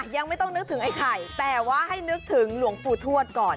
ยังไม่ต้องนึกถึงไอ้ไข่แต่ว่าให้นึกถึงหลวงปู่ทวดก่อน